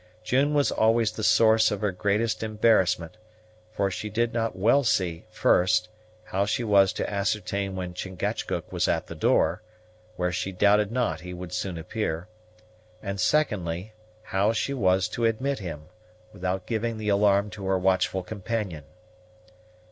June was always the source of her greatest embarrassment; for she did not well see, first, how she was to ascertain when Chingachgook was at the door, where she doubted not he would soon appear; and, secondly, how she was to admit him, without giving the alarm to her watchful companion.